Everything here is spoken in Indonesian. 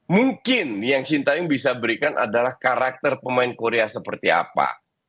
mungkin yang sintayong bisa berikan adalah karakter pemain korea seperti apa